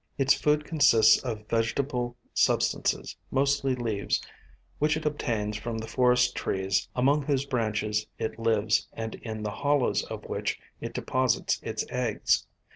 Its food consists of vegetable substances, mostly leaves, which it obtains from the forest trees among whose branches it lives and in the hollows of which it deposits its eggs.